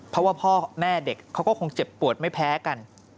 เพราะว่าพ่อแม่เด็กเขาก็คงเจ็บปวดไม่แพ้กัน